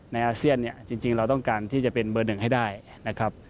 อาเซียนเนี่ยจริงเราต้องการที่จะเป็นเบอร์หนึ่งให้ได้นะครับ